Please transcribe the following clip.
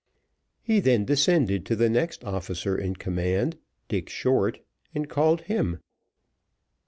He then descended to the next officer in command, Dick Short, and called him.